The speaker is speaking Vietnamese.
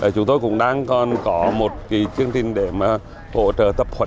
chúng tôi cũng đang có một chương trình để hỗ trợ tập huận